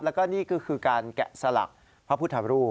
แล้วก็นี่ก็คือการแกะสลักพระพุทธรูป